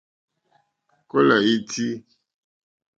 Kólà ítí.